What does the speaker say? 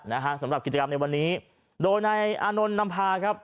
นะฮะสำหรับกิจกรรมในวันนี้โดยในอานนท์นำพาครับ